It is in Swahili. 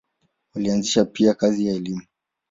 Walianzisha pia kazi ya elimu.